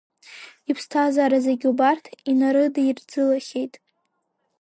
Иԥсҭазаара зегь убарҭ инарыдирӡылахьеит.